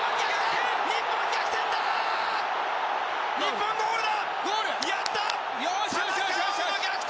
日本ゴールだ！